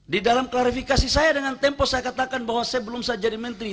di dalam klarifikasi saya dengan tempo saya katakan bahwa sebelum saya jadi menteri